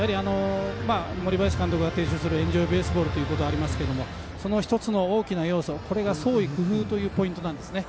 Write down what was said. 森林監督が提唱する「エンジョイベースボール」というものがありますがその１つの大きな要素創意工夫というのがポイントなんですね。